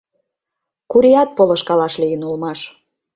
Курият полышкалаш лийын улмаш.